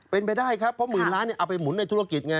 เป็นไปได้ครับเพราะหมื่นล้านเอาไปหมุนในธุรกิจไง